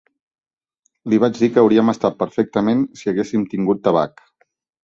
Li vaig dir que hauríem estat perfectament si haguéssim tingut tabac